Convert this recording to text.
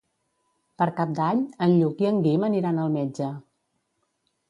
Per Cap d'Any en Lluc i en Guim aniran al metge.